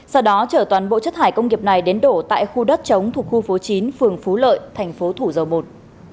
sau đó chở toàn bộ chất thải công nghiệp này đến đổ tại khu đất chống thuộc khu phố chín phường phú lợi thành phố thủ dầu một